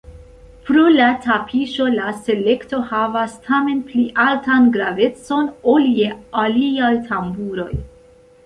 Pro la tapiŝo la selekto havas tamen pli altan gravecon ol je aliaj tamburoj.